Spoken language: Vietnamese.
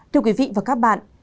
thưa quý vị và các bạn